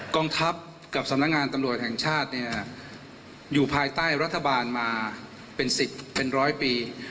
กองทัพกับสำนักงานตำรวจแห่งชาติเนี่ยอยู่ภายใต้รัฐบาลมาเป็น๑๐เป็นร้อยปี